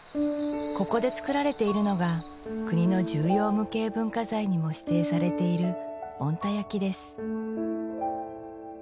ここで作られているのが国の重要無形文化財にも指定されている小鹿田焼です